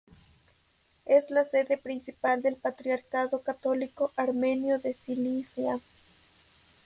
Es la sede principal del Patriarcado Católico Armenio de Cilicia.